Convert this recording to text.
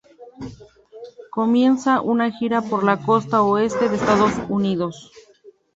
Comienzan una gira por la costa oeste de Estados Unidos.